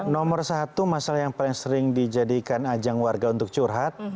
nomor satu masalah yang paling sering dijadikan ajang warga untuk curhat